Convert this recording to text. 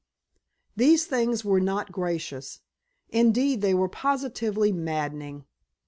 These things were not gracious. Indeed, they were positively maddening.